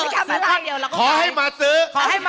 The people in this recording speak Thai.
ขอให้มาซื้อ